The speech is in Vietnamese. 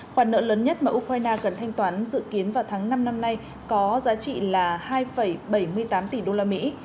khoản nợ lớn nhất mà ukraine cần thanh toán dự kiến vào tháng năm năm nay có giá trị là hai bảy mươi tám tỷ đô la mỹ